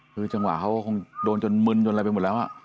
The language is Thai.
คือจังหวะเขาก็คงโดนจนมึนจนอะไรไปหมดแล้ว